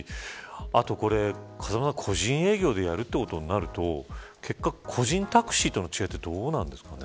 あと個人営業でやるということになると結果、個人タクシーとの違いはどうなんですかね。